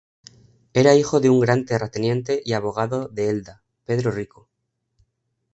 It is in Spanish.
Era hijo de un gran terrateniente y abogado de Elda, Pedro Rico.